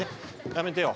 やめてよ。